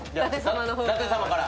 舘様から。